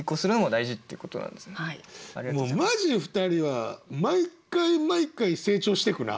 マジで２人は毎回毎回成長していくな。